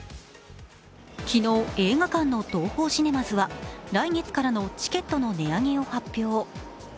昨日、映画館のＴＯＨＯシネマズは来月からのチケットの値上げを発表。